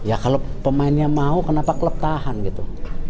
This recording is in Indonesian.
ya kalau pemainnya mau kenapa klub tahan gitu